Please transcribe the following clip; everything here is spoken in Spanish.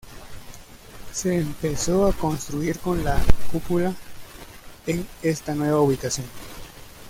Se empezó a construir con la cúpula en esta nueva ubicación.